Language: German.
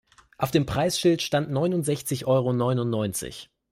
Auf dem Preisschild stand neunundsechzig Euro neunundneunzig.